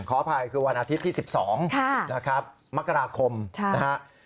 ขออภัยคือวันอาทิตย์ที่๑๒นะครับมกราคมนะฮะ